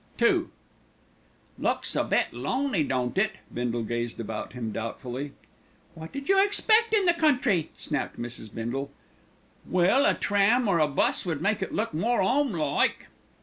II "Looks a bit lonely, don't it?" Bindle gazed about him doubtfully. "What did you expect in the country?" snapped Mrs. Bindle. "Well, a tram or a bus would make it look more 'ome like."